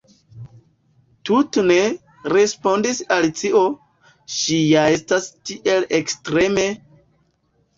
"Tute ne," respondis Alicio. "Ŝi ja estas tiel ekstreme…"